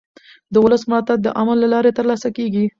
د ولس ملاتړ د عمل له لارې ترلاسه کېږي